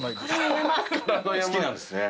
好きなんですね。